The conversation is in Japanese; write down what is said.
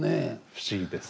不思議です。